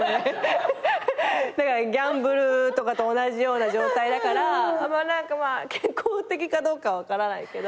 だからギャンブルとかと同じような状態だからあんま健康的かどうかは分からないけど。